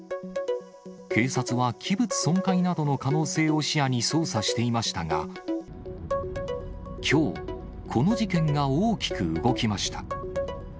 警察は器物損壊などの可能性を視野に捜査していましたが、きょう、この事件が大きく動きました。